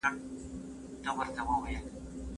تاسو بايد د فکري بډاينې ارزښت وپېژنئ.